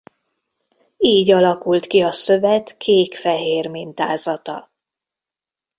Így alakult ki a szövet kék-fehér mintázata.